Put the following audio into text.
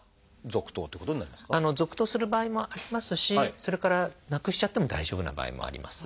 続投する場合もありますしそれからなくしちゃっても大丈夫な場合もあります。